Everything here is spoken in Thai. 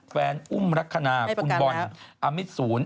แฟนอุ้มรักษณาคุณบอนอามิสูญ